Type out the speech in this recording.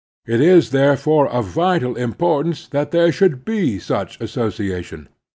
It is, there fore, of vital importance that there should be such association.